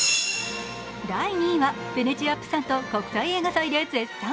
第２位はヴェネツィア・プサンと国際映画祭で絶賛。